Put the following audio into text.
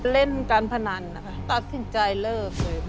เล่นการพนันนะคะตัดสินใจเลิกเลย